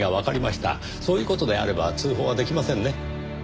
そういう事であれば通報はできませんね。